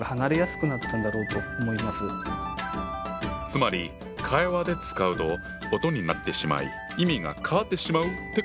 つまり会話で使うと音になってしまい意味が変わってしまうってことか。